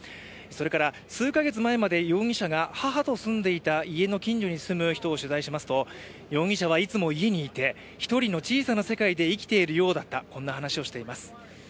それから数カ月前まで容疑者が母と住んでいた家の近所に住む人を取材しますと容疑者はいつも家にいて１人の小さな世界で生きているようだった、こんな話をしています。